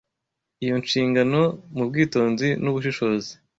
iyo nshingano mu bwitonzi n’ubushishozi